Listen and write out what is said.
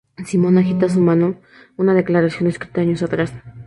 Simón agita en su mano una declaración, escrita años atrás.